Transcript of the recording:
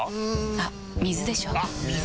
あっ水でしょ！